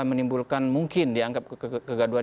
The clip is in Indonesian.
menimbulkan mungkin dianggap kegaduhan